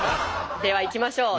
ではいきましょう。